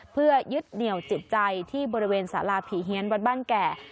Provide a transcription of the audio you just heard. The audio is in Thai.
เพื่อยึดเหนียวจิตใจที่บริเวณสาราผีเฮียนวัดบ้านแก่